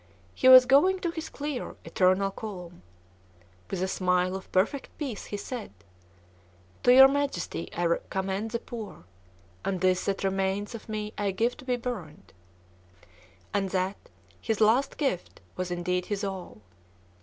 He was going to his clear, eternal calm. With a smile of perfect peace he said: "To your Majesty I commend the poor; and this that remains of me I give to be burned." And that, his last gift, was indeed his all.